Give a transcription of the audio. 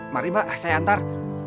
mari mbak saya hantar